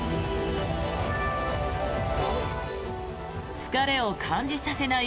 疲れを感じさせない